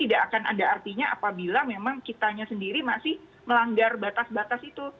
tidak akan ada artinya apabila memang kitanya sendiri masih melanggar batas batas itu